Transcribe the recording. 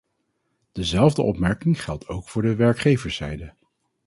Dezelfde opmerking geldt ook voor de werkgeverszijde.